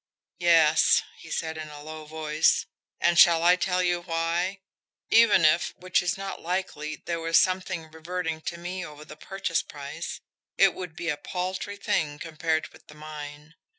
"Yes!" he said, in a low voice. "And shall I tell you why? Even if, which is not likely, there was something reverting to me over the purchase price, it would be a paltry thing compared with the mine.